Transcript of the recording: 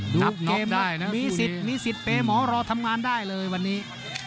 นับเกมได้นะมีสิทธิ์มีสิทธิ์เปย์หมอรอทำงานได้เลยวันนี้